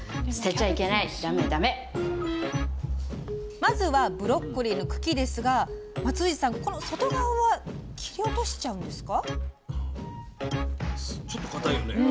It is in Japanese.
まずはブロッコリーの茎ですが松藤さん、外側は切り落としちゃうんですか？